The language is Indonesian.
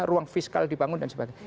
ruang fiskal dibangun dan sebagainya